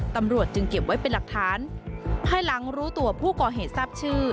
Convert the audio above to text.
ตำรวจจึงเก็บไว้เป็นหลักฐานภายหลังรู้ตัวผู้ก่อเหตุทราบชื่อ